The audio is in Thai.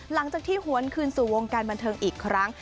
หลังจากที่หวนคืนสู่วงการบันเทิงอีกครั้ง